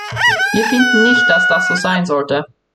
Wir finden nicht, dass das so sein sollte.